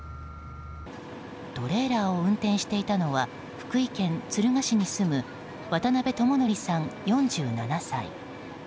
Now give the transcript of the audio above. トレーラーを運転していたのは福井県敦賀市に住む渡辺智典さん、４７歳。